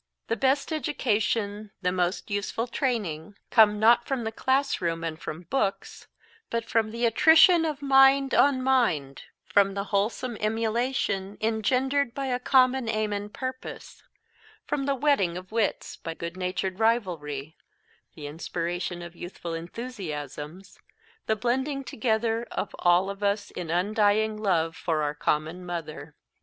The best education, the most useful training, come not from the classroom and from books, but from the attrition of mind on mind, from the wholesome emulation engendered by a common aim and purpose, from the whetting of wits by good natured rivalry, the inspiration of youthful enthusiasms, the blending together of all of us in undying love for our common Mother.